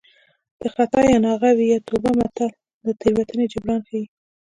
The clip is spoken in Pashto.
د خطا یا ناغه وي یا توبه متل د تېروتنې جبران ښيي